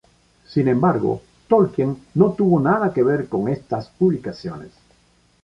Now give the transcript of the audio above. Sin embargo, Tolkien no tuvo nada que ver con estas publicaciones.